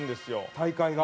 大会が？